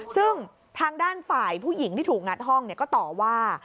ซึ่งทางด้านฝ่ายผู้หญิงที่ถูกงัดห้องก็ต่อว่า